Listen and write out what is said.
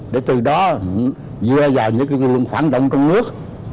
để từ đó dựa vào những cái lực lượng phản động trong nước